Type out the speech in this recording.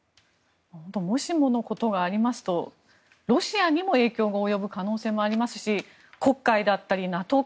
もしものことがありますとロシアにも影響が及ぶ可能性もありますし黒海だったりＮＡＴＯ